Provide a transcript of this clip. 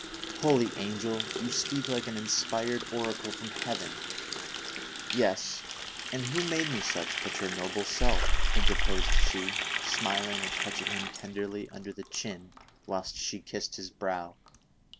" Holy angel ! you speak like an inspired oracle from heaven "— THE COXSPIRATOrvS AND LOVERS. 241 " Yes, and who made me such but your noble self ?" in terposed she, smiling and touching him tenderly under the chin, whilst she kissed his brow.